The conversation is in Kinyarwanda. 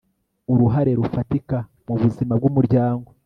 uruhare rufatika mu buzima bw umuryango